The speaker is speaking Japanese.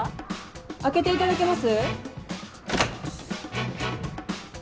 開けていただけます？